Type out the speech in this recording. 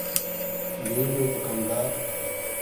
بھی یوہ دکاندار